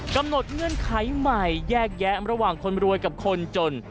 เงื่อนไขใหม่แยกแยะระหว่างคนรวยกับคนจน